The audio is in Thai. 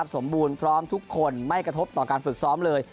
สมบูรณ์พร้อมทุกคนไม่กระทบต่อการฝึกซ้อมเลย